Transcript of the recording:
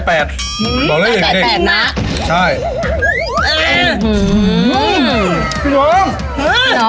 บอกแล้วอย่างนี้เองนะคะใช่หื้ออื้อขนม